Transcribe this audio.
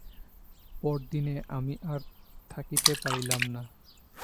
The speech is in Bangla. পরদিনে আমি আর থাকিতে পারিলাম না।